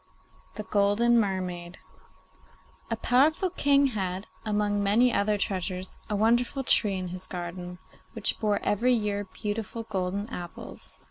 THE GOLDEN MERMAID A powerful king had, among many other treasures, a wonderful tree in his garden, which bore every year beautiful golden apples.